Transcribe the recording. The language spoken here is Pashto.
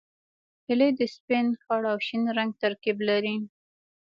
هیلۍ د سپین، خړ او شین رنګ ترکیب لري